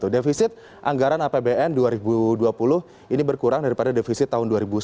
defisit anggaran apbn dua ribu dua puluh ini berkurang daripada defisit tahun dua ribu sembilan belas